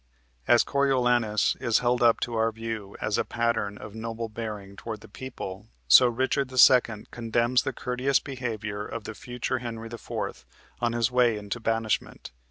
As Coriolanus is held up to our view as a pattern of noble bearing toward the people, so Richard II. condemns the courteous behavior of the future Henry IV. on his way into banishment.